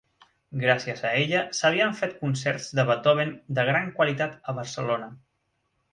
Gràcies a ella, s'havien fet concerts de Beethoven de gran qualitat a Barcelona.